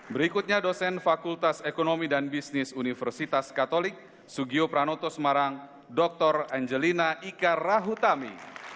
berikutnya dosen fakultas ekonomi dan bisnis universitas katolik sugio pranoto semarang dr angelina ika rahutami